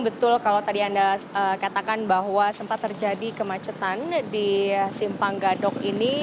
betul kalau tadi anda katakan bahwa sempat terjadi kemacetan di simpang gadok ini